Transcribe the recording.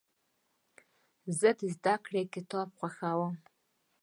زه د زدهکړې کتاب خوښوم.